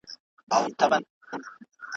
که ځان ارزونه سوې وه نو کمزوري نه وي.